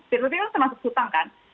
p dua p itu termasuk hutang kan